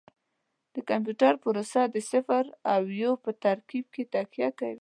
د کمپیوټر پروسه د صفر او یو په ترکیب تکیه کوي.